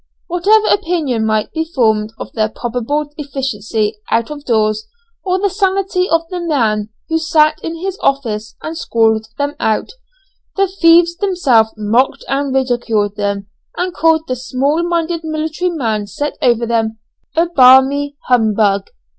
Whatever opinion might be formed of their probable efficacy out of doors, or of the sanity of the man who sat in his office and scrawled them out, the thieves themselves mocked and ridiculed them, and called the small minded military man set over them a "Barmey" humbug.